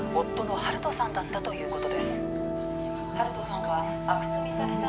温人さんは阿久津実咲さん